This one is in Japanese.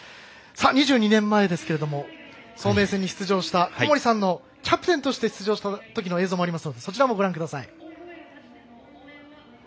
２２年前ですけれども早明戦に出場した小森さんのキャプテンとして出場したときの映像がありますのでそちらもご覧ください。